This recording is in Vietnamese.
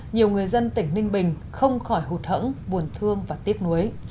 nhiều người dân tỉnh ninh bình không khỏi hụt hẫng buồn thương và tiếc nuối